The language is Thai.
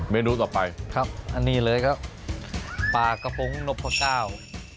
เมนูต่อไปครับอันนี้เลยครับปลากระโปรงนพก้าว